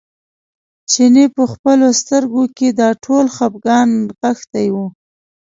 چیني په خپلو سترګو کې دا ټول خپګان نغښتی و.